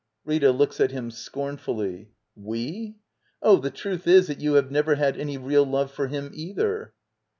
Rita. [Looks at him scornfully.] We? Oh, the truth.is that you have never had any real love for him, either.